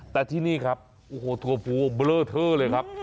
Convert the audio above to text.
แต่ที่นี่ครับโอ้โหทัวร์ฟูเบลอเทอร์เลยครับ